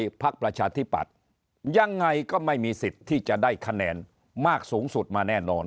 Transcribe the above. พักประชาธิปัตย์ยังไงก็ไม่มีสิทธิ์ที่จะได้คะแนนมากสูงสุดมาแน่นอน